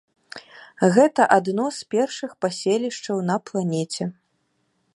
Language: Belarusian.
Гэта адно з першых паселішчаў на планеце.